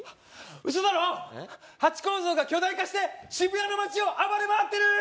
ウソだろハチ公像が巨大化して渋谷の街を暴れ回ってる！